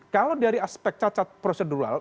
kalau dari aspek cacat prosedural